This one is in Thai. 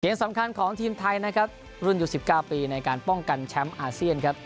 สำคัญของทีมไทยนะครับรุ่นอยู่๑๙ปีในการป้องกันแชมป์อาเซียนครับ